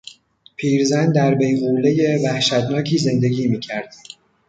پیرزن در بیغولهی وحشتناکی زندگی میکرد.